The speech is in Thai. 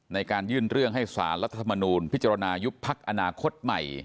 ในการยื่นเรื่องให้สารรัฐธรรมนูลพิจารณายุบพักอนาคตใหม่